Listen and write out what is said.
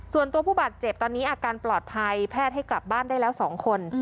ส่วนตัวผู้บาดเจ็บตอนนี้อาการปลอดภัยแพทย์ให้กลับบ้านได้แล้ว๒คน